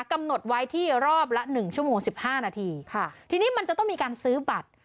กำหนดไว้ที่รอบละหนึ่งชั่วโมงสิบห้านาทีค่ะทีนี้มันจะต้องมีการซื้อบัตร